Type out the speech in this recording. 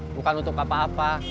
bukan untuk apa apa